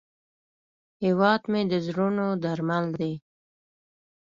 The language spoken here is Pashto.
هیواد مې د زړونو درمل دی